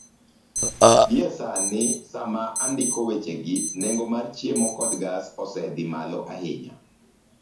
Gie sani, sama andiko wechegi, nengo mar chiemo koda gas osedhi malo ahinya